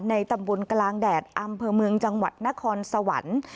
ในตำบลกลางแดดอำเภอเมืองจังหวัดนครสวรรค์